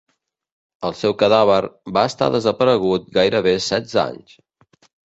El seu cadàver va estar desaparegut gairebé setze anys.